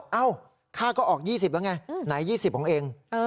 เอ้าค่าก็ออก๒๐แล้วไงไหน๒๐ของเอง